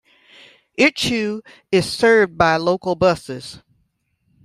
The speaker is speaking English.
Ichiu is served by local buses.